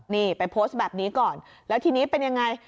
นี่ไปโพสต์แบบนี้ก่อนแล้วทีนี้เป็นยังไง